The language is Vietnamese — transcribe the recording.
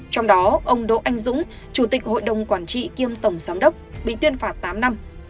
trong đó ông đỗ anh dũng chủ tịch hội đồng quản trị kiêm tổng giám đốc bị tuyên phạt tám năm